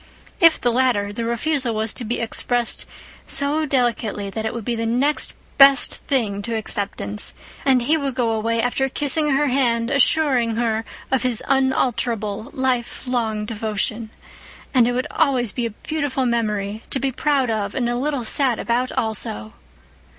If the latter, the refusal was to be expressed so delicately that it would be next best thing to acceptance, and he would go away, after kissing her hand, assuring her of his unalterable, life long devotion. And it would always be a beautiful memory, to be proud of and a little sad about, also.